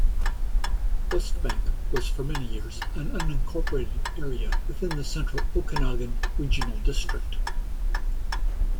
Westbank was for many years an unincorporated area within the Central Okanagan Regional District.